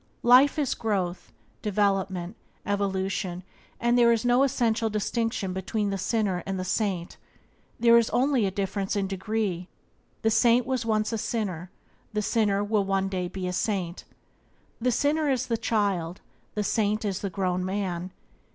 Life is growth, development, evolution, and there is no essential distinction between the sinner and the saint — there is only a difference in degree. The saint was once a sinner; the sinner will one day be a saint. The sinner is the child; the saint is the grown man.